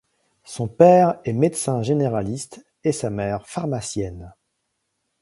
Son père est médecin généraliste et sa mère pharmacienne.